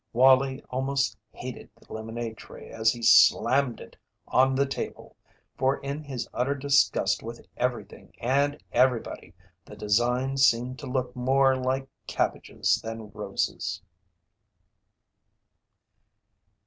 Wallie almost hated the lemonade tray as he slammed it on the table, for in his utter disgust with everything and everybody the design seemed to look more like cabbages than roses.